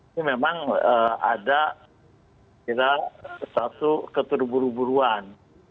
itu memang ada kira sesuatu keturuburuan